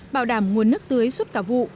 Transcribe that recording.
bảo đảm nguồn nước tưới suốt cả vụ